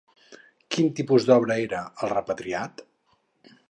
Quin tipus d'obra era "El repatriat"?